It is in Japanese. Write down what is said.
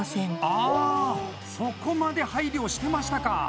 あそこまで配慮をしてましたか！